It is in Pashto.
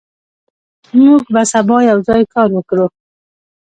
موږ به سبا یوځای کار وکړو.